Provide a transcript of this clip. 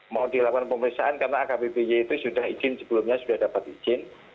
mau dilakukan pemeriksaan karena akbpj itu sudah izin sebelumnya sudah dapat izin